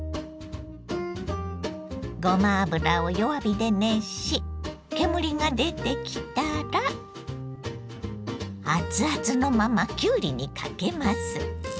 ごま油を弱火で熱し煙が出てきたらアツアツのままきゅうりにかけます。